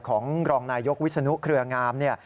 ของรองนายกวิศนุเครืองาม